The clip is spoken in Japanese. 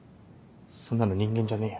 そんなの人間じゃねえよ。